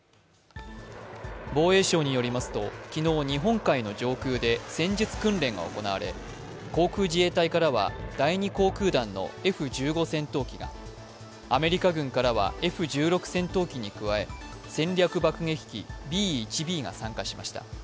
防衛省によりますと昨日日本海の上空で戦術訓練が行われ航空自衛隊からは第２航空団のＦ−１５戦闘機が、アメリカ軍からは、Ｆ−１６戦闘機に加え、戦略爆撃機・Ｂ−１Ｂが参加しました。